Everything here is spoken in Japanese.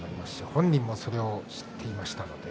本人も知っていました。